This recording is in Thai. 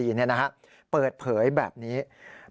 ทั้งน้องสะพ้ายแล้วก็น้องชายของแอมนะครับ